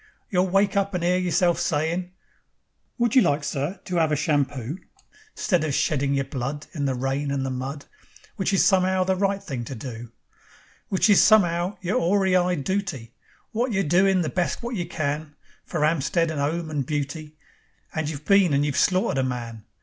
You'll wake up and 'ear yourself sayin': 'Would you like, sir, to 'ave a shampoo?' 'Stead of sheddin' yer blood In the rain and the mud, Which is some'ow the right thing to do; Which is some'ow yer 'oary eyed dooty, Wot you're doin' the best wot you can, For 'Ampstead and 'ome and beauty, And you've been and you've slaughtered a man.